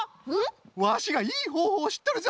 ワシがいいほうほうをしっとるぞ！